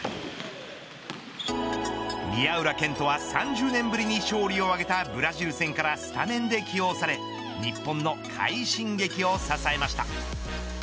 宮浦健人は３０年ぶりに勝利を挙げたブラジル戦からスタメンで起用され日本の快進撃を支えました。